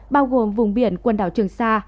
bao gồm vùng biển quần đảo trường sa